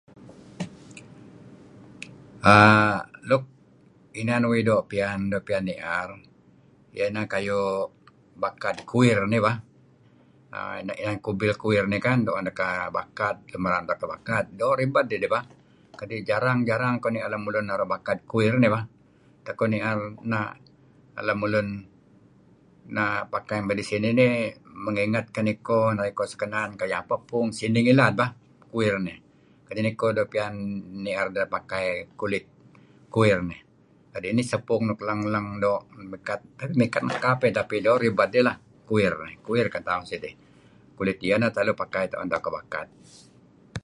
err luk inan uih doo piyan ni'er iyeh inah kayu' baka mey kuir nah bah, inan kubil kuir nih kan tu'en deh kuh bakad, doo' ribed idih bah, kadi' jarang-jarang koh ni'er dulun naru' bakad kuir nih bah. Tak koh ni'er lemulun na' pakai nuk midih sinih nih mengingat kan iko kadi' koh sekenan puung sineh ngilad bah, kuir nih, kadi' niko doo' piyan ni'er deh pakai kulit kuir nih kadi' nih sah puung nuk lang-lang mikat nekap tapi doo' ribed dih lah. Kuir, kuir kan tauh ngidih. Kulit iyeh neh tu'en tauh pakai kuh bakad.